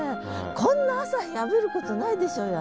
こんな朝日浴びることないでしょうよ